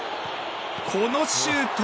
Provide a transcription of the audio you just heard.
このシュート！